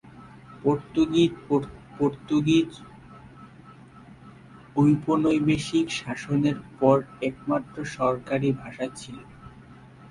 Portuguese Portuguese ঔপনিবেশিক শাসনের পর একমাত্র সরকারী ভাষা ছিল।